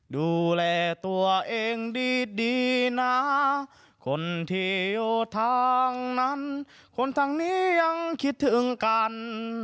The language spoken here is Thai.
ดูแลตัวเองดีดีนะคนที่อยู่ทางนั้นคนทางนี้ยังคิดถึงกัน